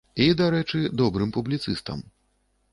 І, дарэчы, добрым публіцыстам.